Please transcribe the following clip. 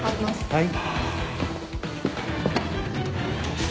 はい。